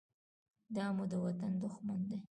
دا مو د وطن دښمن دى.